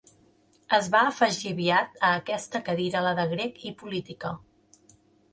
Es va afegir aviat a aquesta cadira la de grec i política.